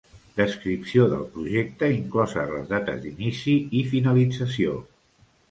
Descripció del projecte, incloses les dates d'inici i finalització.